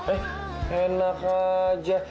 eh enak aja